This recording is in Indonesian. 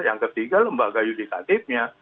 yang ketiga lembaga yudikatifnya